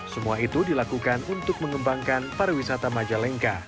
semua itu dilakukan untuk mengembangkan para wisata majalengka